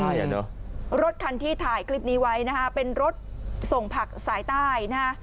ใช่อ่ะเนอะรถคันที่ถ่ายคลิปนี้ไว้นะฮะเป็นรถส่งผักสายใต้นะฮะ